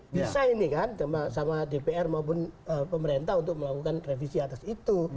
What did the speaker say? bisa ini kan sama dpr maupun pemerintah untuk melakukan revisi atas itu